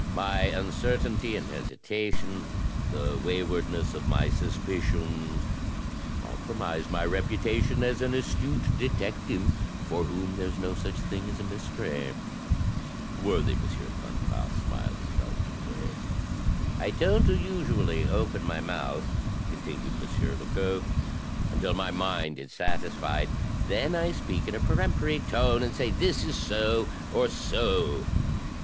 My uncertainty and hesitation, the wa3rwardness of my suspicions, compromise my reputation as an astute detective, for whom there's no such thing as a mystery." Worthy M. Plantat smiled indulgently. "I don't usually open my mouth," continued M. Lecoq, "until my mind is satisfied; then I speak in a peremptory tone, and say this is so or so.